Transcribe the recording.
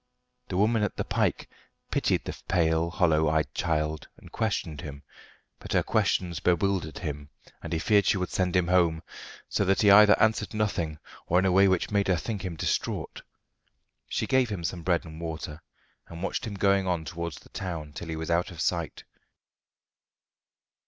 The woman at the 'pike pitied the pale, hollow eyed child, and questioned him; but her questions bewildered him, and he feared she would send him home, so that he either answered nothing, or in a way which made her think him distraught. She gave him some bread and water, and watched him going on towards the town till he was out of sight.